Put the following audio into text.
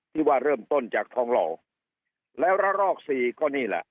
ที่ว่าเริ่มต้นจากทองหล่อแล้วระลอกสี่ก็นี่แหละ